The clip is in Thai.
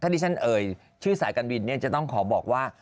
ที่ฉันเอ่ยชื่อสายการบินเนี่ยจะต้องขอบอกว่า